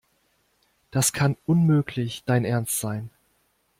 Das kann unmöglich dein Ernst sein.